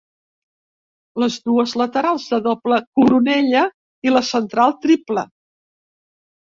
Les dues laterals de doble coronella i la central triple.